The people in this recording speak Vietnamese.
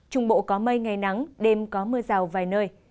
trung bộ có mây ngày nắng đêm có mưa rào vài nơi